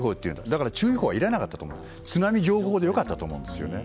だから注意報はいらなかった津波情報で良かったと思うんですね。